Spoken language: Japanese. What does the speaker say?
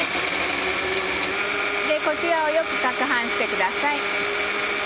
こちらをよく攪拌してください。